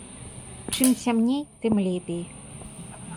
Чым цямней, тым лепей.